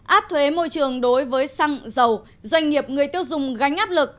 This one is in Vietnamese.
áp thuế môi trường đối với xăng dầu doanh nghiệp người tiêu dùng gánh áp lực